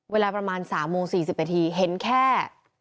เวลาประมาณ๓โมง๔๐นาทีเห็นแค่